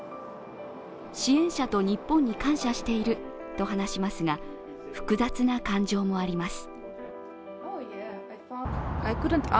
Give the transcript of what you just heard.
支援者と日本に感謝していると話しますが、複雑な感情もあります。